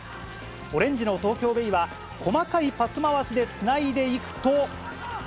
オレンジの東京ベイは、細かいパス回しでつないでいくと。